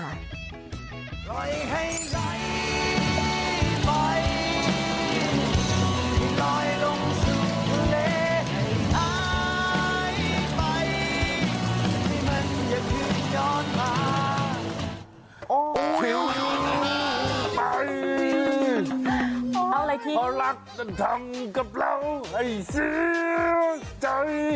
อ๋อทิ้งไปเอาอะไรที่เพราะรักจะทำกับเราให้เสียใจ